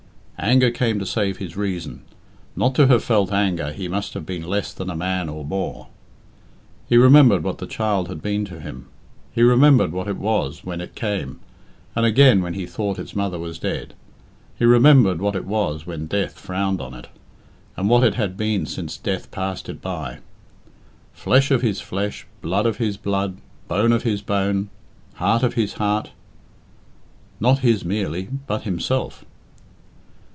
Anger came to save his reason. Not to have felt anger, he must have been less than a man or more. He remembered what the child had been to him. He remembered what it was when it came, and again when he thought its mother was dead; he remembered what it was when death frowned on it, and what it had been since death passed it by. Flesh of his flesh, blood of his blood, bone of his bone, heart of his heart. Not his merely, but himself.